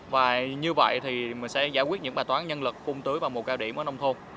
và như vậy thì mình sẽ giải quyết những bài toán nhân lực phung tưới vào mùa cao điểm ở nông thôn